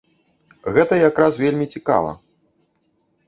Гэта як раз вельмі цікава.